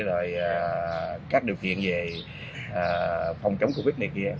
rồi các điều kiện về phòng chống covid này kia